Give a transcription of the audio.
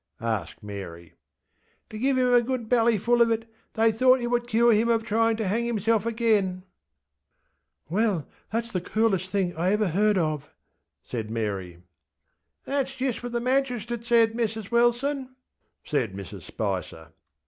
ŌĆÖ asked Mary. ŌĆśTo give him a good bellyful of it: they thought it would cure him of tryinŌĆÖ to hang himself again. ŌĆÖ ŌĆśWell, thatŌĆÖs the coolest thing I ever heard of, ŌĆÖ said Mary. ŌĆśThatŌĆÖs jist what the magistrate said, Mrs Wilson, ŌĆÖ said Mrs Spicer.